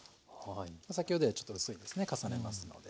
先ほどよりはちょっと薄いですね重ねますので。